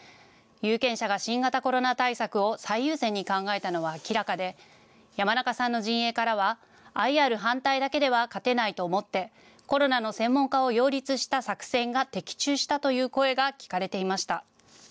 有権者が新型コロナ対策を最優先に考えたのは明らかで、山中さんの陣営からはＩＲ反対だけでは勝てないと思ってコロナの専門家を擁立した作戦が的中したという声が聞かれていました。